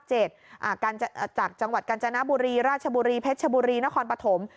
จากจังหวัดกาญจนบุรีราชบุรีเพชรชบุรีนครปฐม